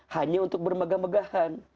hanya untuk bermegah megahan